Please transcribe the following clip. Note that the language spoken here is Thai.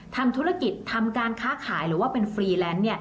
ทำธุรกิจทำการค้าขายหรือว่าเป็นฟรีแลนซ์